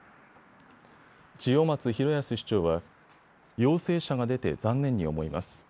千代松大耕市長は陽性者が出て残念に思います。